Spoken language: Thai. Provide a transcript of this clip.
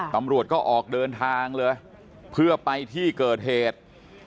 ตำรวจก็ออกเดินทางเลยเพื่อไปที่เกิดเหตุ